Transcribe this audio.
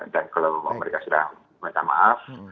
dan kalau mereka sudah minta maaf